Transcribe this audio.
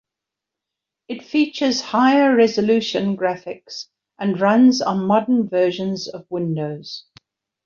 It features higher resolution graphics and runs on modern versions of Windows.